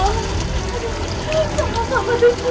waribat untuk dipoksit